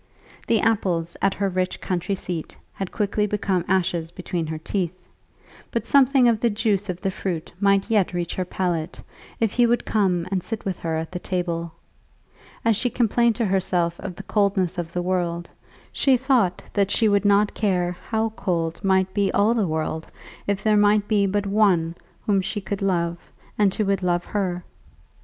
The apples at her rich country seat had quickly become ashes between her teeth, but something of the juice of the fruit might yet reach her palate if he would come and sit with her at the table. As she complained to herself of the coldness of the world, she thought that she would not care how cold might be all the world if there might be but one whom she could love, and who would love her.